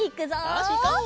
よしいこう！